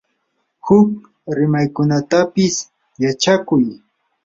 huk rimaykunatapis yachakuy.